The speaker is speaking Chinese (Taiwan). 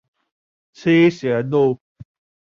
七賢路